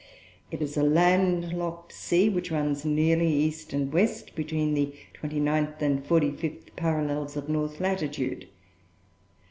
It is a landlocked sea which runs nearly east and west, between the twenty ninth and forty fifth parallels of north latitude.